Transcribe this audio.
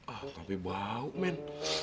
ah tapi bau men